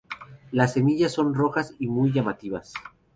Las semillas son rojas y muy llamativas.